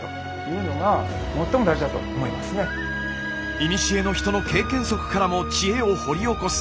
いにしえの人の経験則からも知恵を掘り起こす。